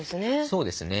そうですね。